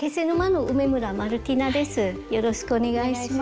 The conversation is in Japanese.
よろしくお願いします。